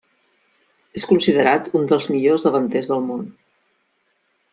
És considerat un dels millors davanters del món.